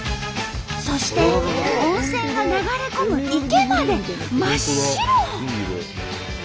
そして温泉が流れ込む池まで真っ白！